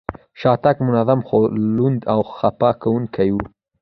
شاتګ منظم، خو لوند او خپه کوونکی و.